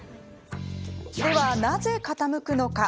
では、なぜ傾くのか？